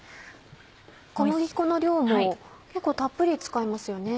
小麦粉の量も結構たっぷり使いますよね。